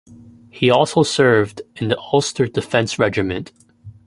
He also served in the Ulster Defence Regiment.